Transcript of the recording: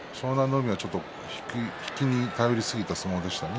海は、ちょっと引きに頼りすぎた相撲でしたね。